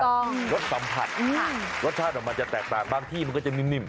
รสสัมผัสรสชาติออกมาจะแตกต่างบางที่มันก็จะนิ่ม